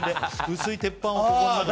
薄い鉄板を。